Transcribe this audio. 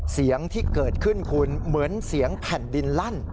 เสียงที่เกิดขึ้นคุณเหมือนเสียงแผ่นดินลั่น